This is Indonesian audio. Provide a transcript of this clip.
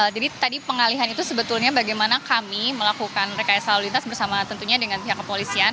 jadi tadi pengalihan itu sebetulnya bagaimana kami melakukan rksl lintas bersama tentunya dengan pihak kepolisian